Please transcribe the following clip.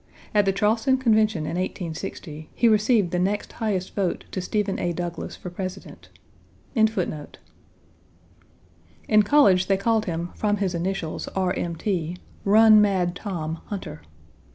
At the Charleston Convention in 1860, he received the next highest vote to Stephen A. Douglas for President. Page 54 came. In college they called him from his initials, R. M. T., "Run Mad Tom" Hunter.